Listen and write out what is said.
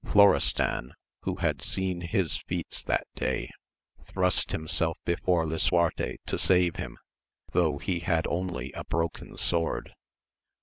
Florestan, who had seen his feats that day, thrust himself before Lisuarte to save him, though he had only a broken sword.